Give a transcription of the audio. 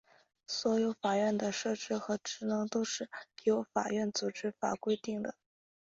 所有法院的设置和职能都是由法院组织法规定的。